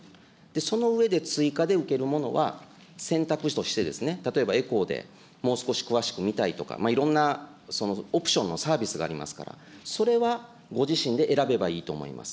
その上で、追加で受けるものは、選択肢として、例えば、エコーでもう少し詳しく見たいとか、いろんなオプションのサービスがありますから、それはご自身で選べばいいと思います。